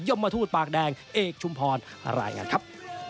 ย่อมมาทูตปากแดงเอกชุมพรอะไรงั้นครับ